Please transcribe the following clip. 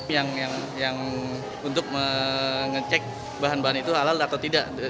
yang untuk mengecek bahan bahan itu halal atau tidak